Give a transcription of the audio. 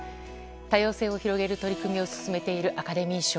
多様性を広げる取り組みを進めているアカデミー賞。